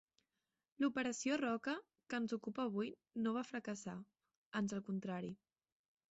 L'operació Roca que ens ocupa avui no va fracassar, ans al contrari.